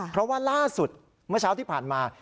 เพราะว่าล่าสุดเมื่อเช้าที่ผ่านมา